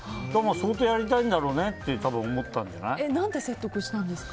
相当やりたいんだろうねって多分思っただろうね。